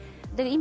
今